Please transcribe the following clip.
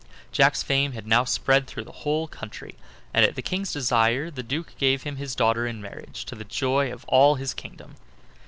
Jack's fame had now spread through the whole country, and at the King's desire the duke gave him his daughter in marriage, to the joy of all his kingdom.